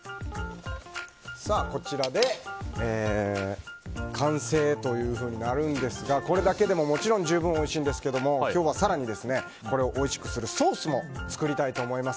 こちらで完成というふうになるんですがこれだけでももちろん十分おいしいんですけども今日は更にこれをおいしくするソースも作りたいと思います。